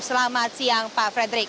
selamat siang pak frederick